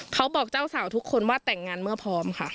เขาบอกเจ้าสาวทุกคนว่าแต่งงานเมื่อพร้อมค่ะ